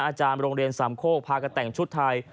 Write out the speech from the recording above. อาจารย์โรงเรียนสามโคกพากันแต่งชุดไทย